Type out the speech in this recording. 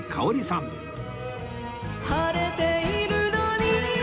「晴れているのに」